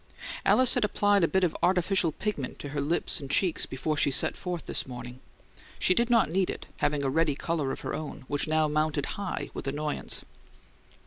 Alice had applied a bit of artificial pigment to her lips and cheeks before she set forth this morning; she did not need it, having a ready colour of her own, which now mounted high with annoyance.